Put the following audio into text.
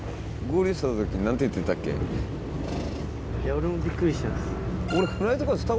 俺もびっくりしてます。